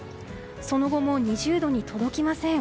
その後も２０度に届きません。